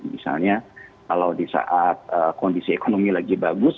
misalnya kalau di saat kondisi ekonomi lagi bagus